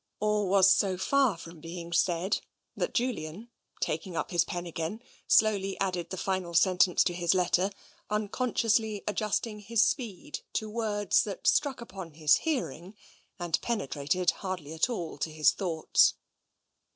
..." All was so far from being said that Julian, taking up his pen again, slowly added the final sentence to his letter, unconsciously adjusting his speed to words that struck upon his hearing and penetrated hardly at all to his thoughts.